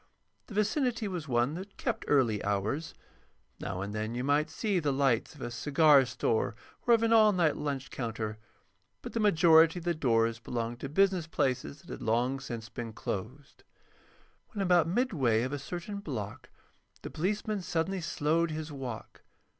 The vicinity was one that kept early hours. Now and then you might see the lights of a cigar store or of an all night lunch counter; but the majority of the doors belonged to business places that had long since been closed. When about midway of a certain block the policeman suddenly slowed his walk.